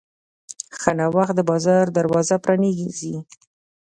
ښه نوښت د بازار دروازه پرانیزي.